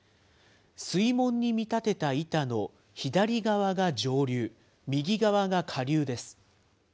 水門に見立てた板の左側が上流、右側が下流です。